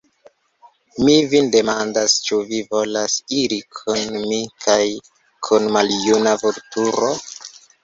Mi vin demandas, ĉu vi volas iri kun mi kaj kun maljuna Vulturo?